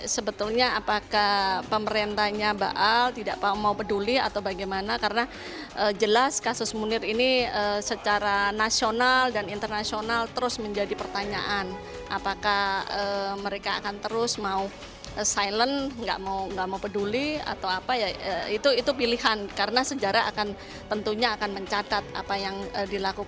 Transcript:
sebenarnya akan tentunya mencatat apa yang dilakukan pemerintah